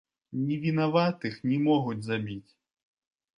Невінаватых не могуць забіць!